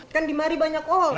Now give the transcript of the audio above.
kan dimari banyak orang